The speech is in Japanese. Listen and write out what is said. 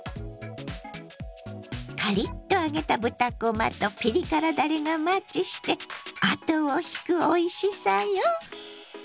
カリッと揚げた豚こまとピリ辛だれがマッチして後を引くおいしさよ。